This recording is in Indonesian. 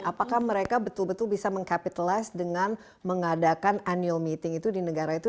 apakah mereka betul betul bisa mengkapitalize dengan mengadakan annual meeting itu di negara itu